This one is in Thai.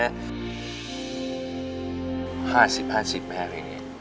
๕๐๕๐แม่เพลงนี้